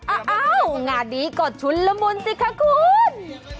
อ้าวงานนี้ก็ชุนละมุนสิคะคุณ